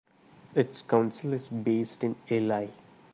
Its council is based in Ely.